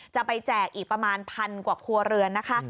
แจกอีกประมาณพันกว่าครัวเรือนนะคะ